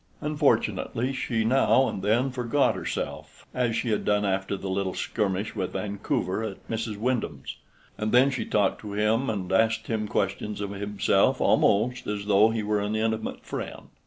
Unfortunately she now and then forgot herself, as she had done after the little skirmish with Vancouver at Mrs. Wyndham's, and then she talked to him and asked him questions of himself almost as though he were an intimate friend.